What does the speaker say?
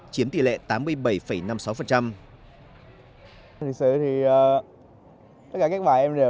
chiếm tỷ lệ tám mươi bảy năm mươi sáu